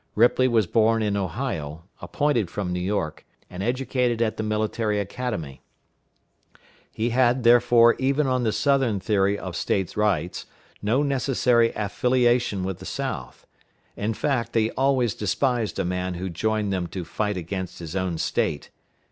Ripley was born in Ohio, appointed from New York, and educated at the Military Academy. He had, therefore, even on the Southern theory of State rights, no necessary affiliation with the South. In fact, they always despised a man who joined them to fight against his own State.